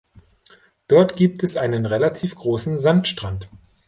Dort gibt es einen relativ großen Sandstrand.